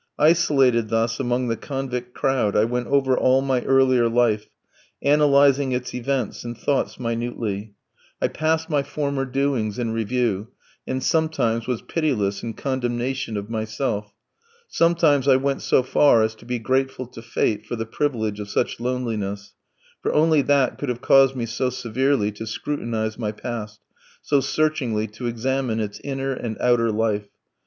Isolated thus among the convict crowd I went over all my earlier life, analysing its events and thoughts minutely; I passed my former doings in review, and sometimes was pitiless in condemnation of myself; sometimes I went so far as to be grateful to fate for the privilege of such loneliness, for only that could have caused me so severely to scrutinise my past, so searchingly to examine its inner and outer life.